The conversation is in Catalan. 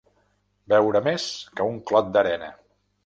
Beure més que un clot d'arena.